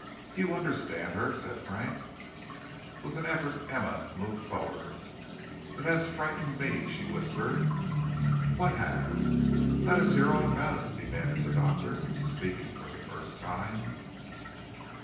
"Do you understand her?" said Frank. With an effort Emma moved forward. "It has frightened me," she whispered. "What has? Let us hear all about it," demanded the Doctor, speaking for the first time.